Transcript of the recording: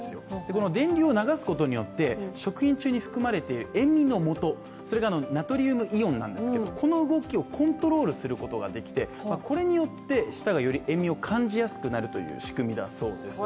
この電流を流すことによって食品中に含まれている塩味のもと、ナトリウムイオンなんですけれども、この動きをコントロールすることができてこれによって舌がより塩味を感じやすくするという仕組みだそうです。